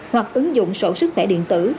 hoặc ứng dụng sổ sức tải điện tử